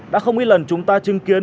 đã không ít lần chúng ta chứng kiến